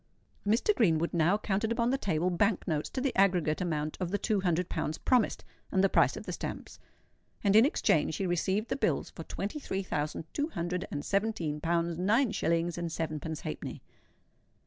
Mr. Greenwood now counted upon the table bank notes to the aggregate amount of the two hundred pounds promised, and the price of the stamps; and in exchange he received the bills for twenty three thousand two hundred and seventeen pounds, nine shillings, and sevenpence halfpenny.